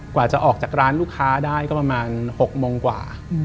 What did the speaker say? กว่าจะออกจากร้านลูกค้าได้ก็ประมาณ๖โมงกว่า